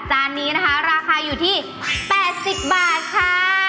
จานนี้นะคะราคาอยู่ที่๘๐บาทค่ะ